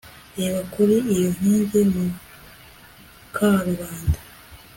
Reba kuri iyo nkingi mu karubanda